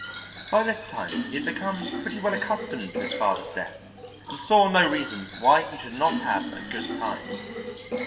By this time he had become pretty well accustomed to his father's death and saw no reason why he should not have a good time.